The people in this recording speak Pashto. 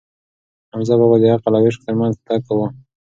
حمزه بابا د عقل او عشق ترمنځ تګ کاوه.